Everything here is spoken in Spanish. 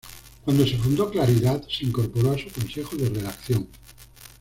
Cuando se fundó "Claridad" se incorporó a su Consejo de Redacción.